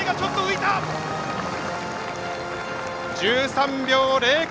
１３秒０９！